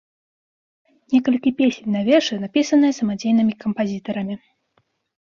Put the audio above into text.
Некалькі песень на вершы напісаныя самадзейнымі кампазітарамі.